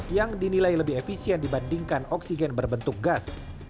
yang dinilai lebih efisien dibandingkan oksigen berbentuk gas